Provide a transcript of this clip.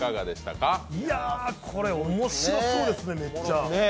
これ、面白そうですね、めっちゃ。